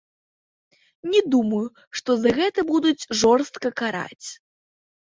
Не думаю, што за гэта будуць жорстка караць.